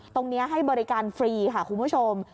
ตรงนี้ให้บริการฟรีค่ะคุณผู้ชม